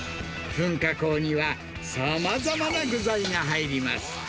噴火口にはさまざまな具材が入ります。